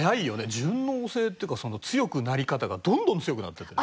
順応性っていうか強くなり方がどんどん強くなってってる。